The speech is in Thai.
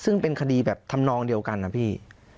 ซึ่งเป็นคดีแบบทำนองเดียวกันนะพี่